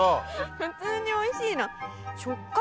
普通においしいな。